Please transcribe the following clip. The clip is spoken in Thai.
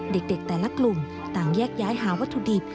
เด็กแต่ละกลุ่มต่างแยกย้ายหาวัตถุดิบ